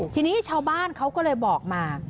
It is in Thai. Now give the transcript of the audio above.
ทีนี้ชาวบ้านเขาก็เลยบอกมา